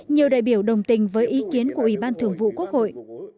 nhiều đại biểu đồng tình với ý kiến của ủy ban thường vụ quốc hội